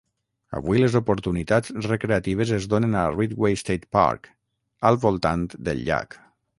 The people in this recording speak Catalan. Avui, les oportunitats recreatives es donen a Ridgway State Park, al voltant del llac.